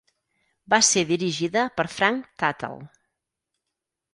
Va ser dirigida per Frank Tuttle.